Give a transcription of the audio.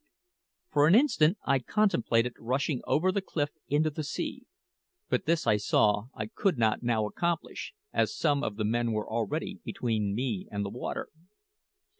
For an instant I contemplated rushing over the cliff into the sea; but this, I saw, I could not now accomplish, as some of the men were already between me and the water.